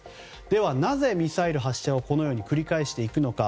では、なぜ、ミサイル発射を繰り返していくのか。